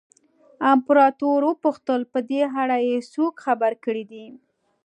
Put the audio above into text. امپراتور وپوښتل په دې اړه یې څوک خبر کړي دي.